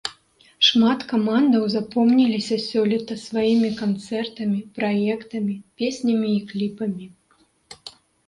Шмат камандаў запомніліся сёлета сваімі канцэртамі, праектамі, песнямі і кліпамі.